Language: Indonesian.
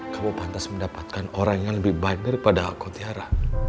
kamu pantas mendapatkan orang yang lebih baik daripada aku tiara